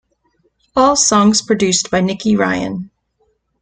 All songs produced by Nicky Ryan.